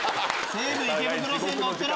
西武池袋線乗ってろ！